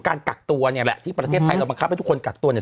การกักตัวเนี่ยแหละที่ประเทศไทยเราบังคับให้ทุกคนกักตัวเนี่ย